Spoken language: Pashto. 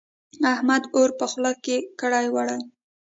احمد اور په خوله کړې وړي.